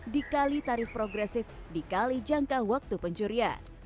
dikali tarif progresif dikali jangka waktu pencurian